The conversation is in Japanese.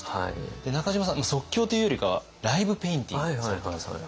で中島さん即興というよりかはライブペインティングされてますよね。